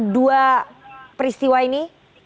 dua peristiwa ini